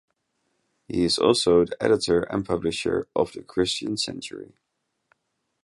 He is also the editor and publisher of The Christian Century.